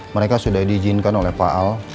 mereka sudah diizinkan oleh pak al